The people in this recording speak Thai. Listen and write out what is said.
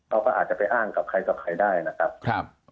เราก็อาจจะไปอ้างกับใครกับใครได้นะครับ